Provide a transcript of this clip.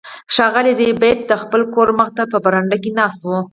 ښاغلی ربیټ د خپل کور مخې ته په برنډه کې ناست و